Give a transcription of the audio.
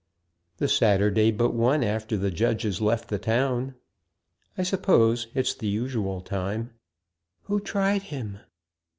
"The Saturday but one after the Judges left the town, I suppose it's the usual time." "Who tried him?"